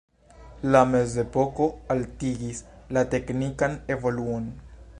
La mezepoko haltigis la teknikan evoluon.